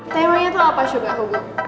temanya tuh apa suga hugo